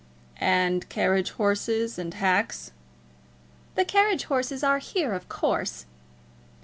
"And carriage horses and hacks?" "The carriage horses are here, of course."